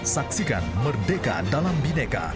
saksikan merdeka dalam bineka